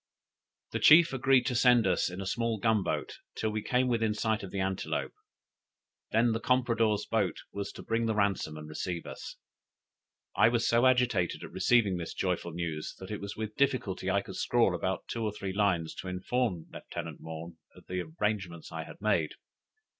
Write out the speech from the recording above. The chief agreed to send us in a small gun boat till we came within sight of the Antelope; then the compradore's boat was to bring the ransom and receive us. I was so agitated at receiving this joyful news, that it was with difficulty I could scrawl about two or three lines to inform Lieutenant Maughn of the arrangements I had made.